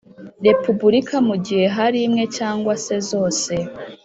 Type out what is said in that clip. Repubulika mu gihe hari imwe cyangwa zose